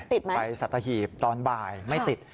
ติดไหมไปสตฐหีพตอนบ่ายไม่ติด